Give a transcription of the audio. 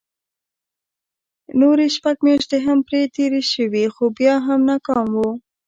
نورې شپږ مياشتې هم پرې تېرې شوې خو بيا هم ناکام وو.